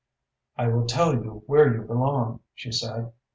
"I will tell you where you belong," she said.